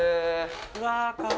うわ